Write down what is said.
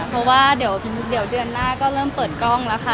เพราะว่าเดี๋ยวเดือนหน้าก็เริ่มเปิดกล้องแล้วค่ะ